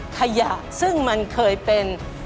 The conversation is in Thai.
ขยะซึ่งมันเคยเป็น